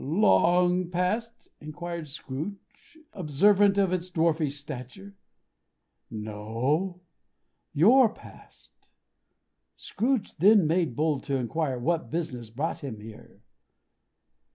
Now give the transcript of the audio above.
"Long Past?" inquired Scrooge; observant of its dwarfish stature. "No. Your past." Scrooge then made bold to inquire what business brought him there.